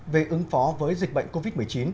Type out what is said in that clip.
về ứng phó với dịch bệnh covid một mươi chín